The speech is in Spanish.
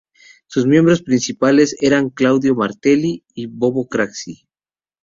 Sus miembros principales eran Claudio Martelli y Bobo Craxi.